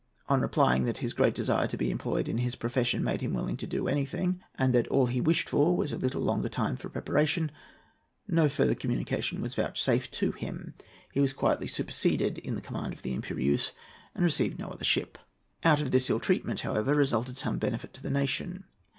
On his replying that his great desire to be employed in his profession made him willing to do anything, and that all he wished for was a little longer time for preparation, no further communication was vouchsafed to him. He was quietly superseded in the command of the Impérieuse, and received no other ship. Out of this ill treatment, however, resulted some benefit to the nation.